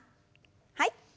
はい。